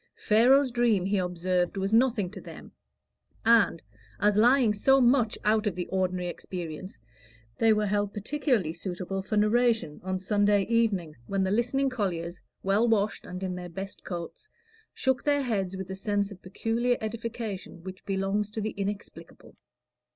Pharaoh's dream, he observed, was nothing to them; and, as lying so much out of ordinary experience, they were held particularly suitable for narration on Sunday evenings, when the listening colliers, well washed and in their best coats, shook their heads with a sense of peculiar edification which belongs to the inexplicable.